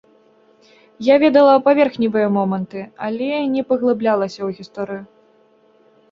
Я ведала паверхневыя моманты, але не паглыблялася ў гісторыю.